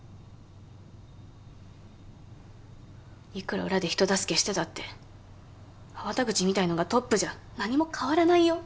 いくら裏で人助けしてたって粟田口みたいのがトップじゃ何も変わらないよ。